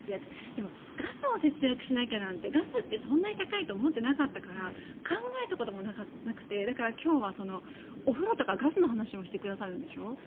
でもガスを節約しなきゃなんてガスってそんなに高いと思ってなかったから考えたこともなくてだから今日はお風呂とかガスの話をしてくださるんでしょ。